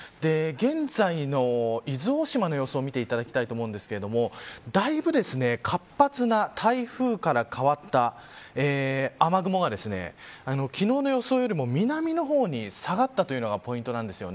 現在の伊豆大島の様子を見ていただきたいと思うんですけどだいぶ活発な台風から変わった雨雲が昨日の予想よりも南の方に下がったというのがポイントなんです。